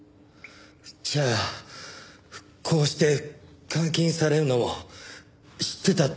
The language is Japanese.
じゃあこうして監禁されるのも知ってたって事か？